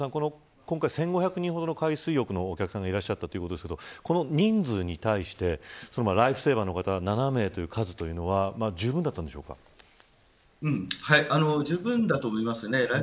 １５００人ほどの海水浴客がいたということですがこの人数に対してライフセーバーの方７人という数はじゅうぶんだと思います。